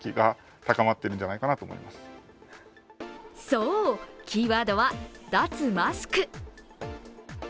そう、キーワードは、脱マスク。